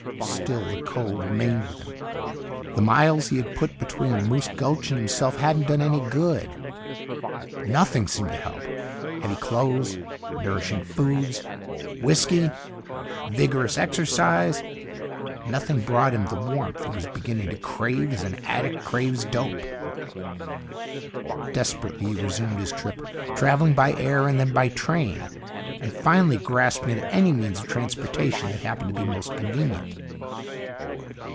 Still the cold remained with him. The miles he had put between Moose Gulch and himself hadn't done any good. Nothing seemed to help. Heavy clothes, nourishing foods, whisky, vigorous exercise nothing brought him the warmth he was beginning to crave as an addict craves dope. Desperately, he resumed his trip, traveling by air and then by train, and finally grasping at any means of transportation that happened to be most convenient.